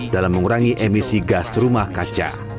dalam mengurangi emisi gas rumah kaca